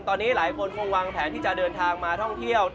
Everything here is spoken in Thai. ตอนนี้หลายคนคงวางแผนที่จะเดินทางมาท่องเที่ยว